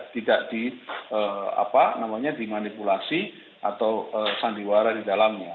tidak dimanipulasi atau sandiwara di dalamnya